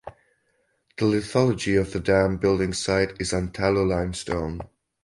The lithology of the dam building site is Antalo Limestone.